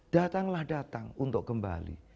datanglah datang untuk kembali